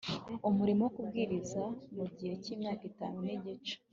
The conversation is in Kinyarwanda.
umurimo wo kubwiriza mu gihe cy’imyaka itatu n’igice